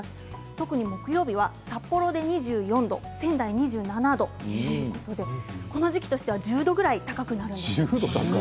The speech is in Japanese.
特に木曜日は札幌で２４度札幌が２７度この時期としては１０度ぐらい高くなりそうです。